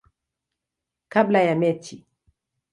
kabla ya mechi.